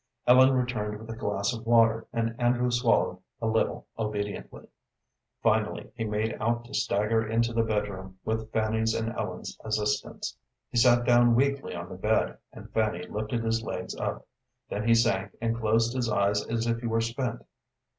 Ellen returned with a glass of water, and Andrew swallowed a little obediently. Finally he made out to stagger into the bedroom with Fanny's and Ellen's assistance. He sat down weakly on the bed, and Fanny lifted his legs up. Then he sank and closed his eyes as if he were spent.